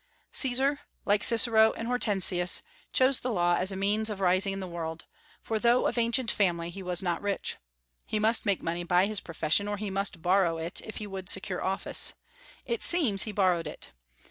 Caesar, like Cicero and Hortensius, chose the law as a means of rising in the world; for, though of ancient family, he was not rich. He must make money by his profession, or he must borrow it, if he would secure office. It seems he borrowed it.